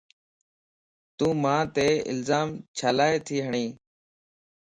تون مانت الزام چھيلاتي ھڙين؟